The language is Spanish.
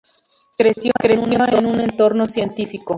Creció en un entorno científico.